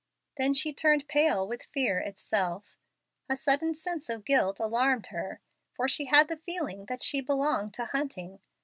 Then she turned pale with fear at herself. A sudden sense of guilt alarmed her, for she had the feeling that she belonged to Hunting.